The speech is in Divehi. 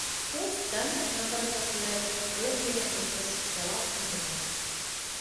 ނުވެސް ދަންނަ ނަންބަރަކަށް ގުޅައިން ގުޅަން ބޭނުން ނުވިޔަސް ޖަވާބު ދިނީ މަރު